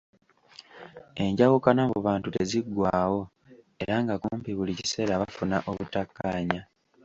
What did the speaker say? Enjawukana mu bantu teziggwaawo era nga kumpi buli kiseera bafuna obutakkaanya.